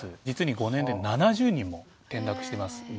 実に５年で７０人も転落しています。